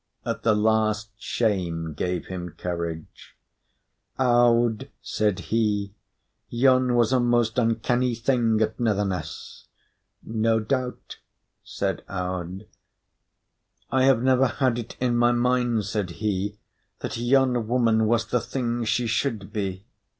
At the last, shame gave him courage. "Aud," said he, "yon was a most uncanny thing at Netherness." "No doubt," said Aud. "I have never had it in my mind," said he, "that yon woman was the thing she should be."